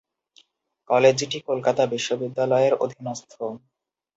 কলেজটি কলকাতা বিশ্ববিদ্যালয়ের অধীনস্থ।